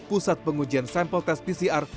pusat pengujian sampel tes pcr